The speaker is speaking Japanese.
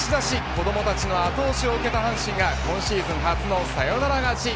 子どもたちの後押しを受けた阪神が今シーズン初のサヨナラ勝ち。